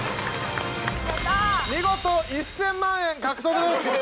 見事１０００万円獲得です。